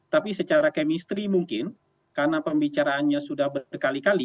tapi secara kemistri mungkin karena pembicaraannya sudah berkali kali